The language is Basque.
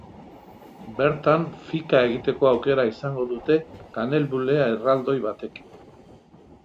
Bertan fika egiteko aukera izango dute kanelbulle erraldoi batekin.